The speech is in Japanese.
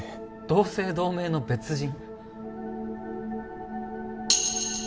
同姓同名の別人？